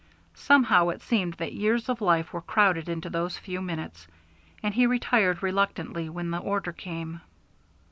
Somehow it seemed that years of life were crowded into those few minutes, and he retired reluctantly when the order came.